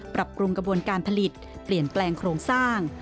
ปรับปรุงกระบวนการผลิตเปลี่ยนแปลงโครงสร้าง